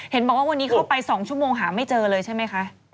เห็นบอกว่าวันนี้เข้าไป๒ชั่วโมงหาไม่เจอเลยใช่ไหมคะ